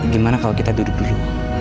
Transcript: gimana kalau kita duduk duduk